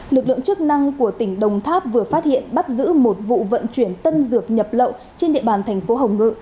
lực lượng chức năng của tỉnh đồng tháp vừa phát hiện bắt giữ một vụ vận chuyển tân dược nhập lậu trên địa bàn thành phố hồng ngự